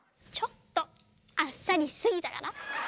ちょっと「あっさり」しすぎたかな？